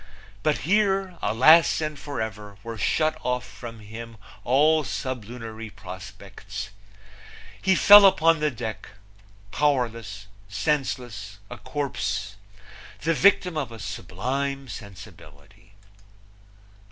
But here alas and forever were shut off from him all sublunary prospects. He fell upon the deck powerless, senseless, a corpse the victim of a sublime sensibility!